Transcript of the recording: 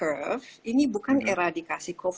kueref ini bukan eradikasi covid sembilan belas